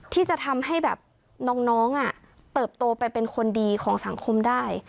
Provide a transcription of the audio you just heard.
ที่จะทำให้แบบน้องเติบโตไปเป็นคนดีของสังคมได้